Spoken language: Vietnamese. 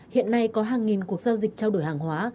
hiện nay có hàng nghìn cuộc giao dịch trao đổi hàng hóa